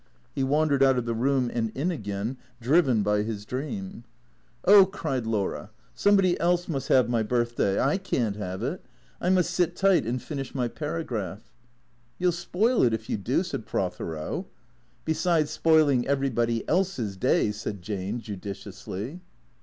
Ho wandered out of the room and in again, driven by his dream. THE CREATORS 221 " Oh," cried Laura, " somebody else must have my birthday. I can't liave it. I must sit tiglit and finish my paragraph." " You '11 spoil it if you do," said Prothero. " Besides spoiling ever3'body's day," said Jane judiciously.